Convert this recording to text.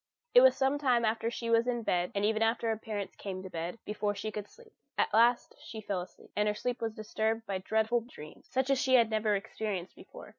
It was some time after she was in bed, and even after her parents came to bed, before she could sleep; at last she fell asleep, but her sleep was disturbed by dreadful dreams, such as she had never experienced before.